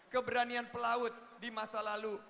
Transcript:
keberanian pelaut di masa lalu